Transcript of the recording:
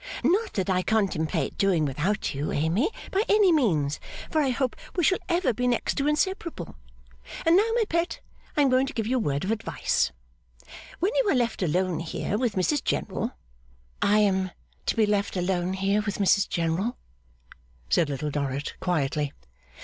'Not that I contemplate doing without You, Amy, by any means, for I hope we shall ever be next to inseparable. And now, my pet, I am going to give you a word of advice. When you are left alone here with Mrs General ' 'I am to be left alone here with Mrs General?' said Little Dorrit, quietly.